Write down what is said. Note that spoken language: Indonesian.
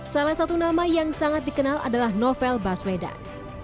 salah satu nama yang sangat dikenal adalah novel baswedan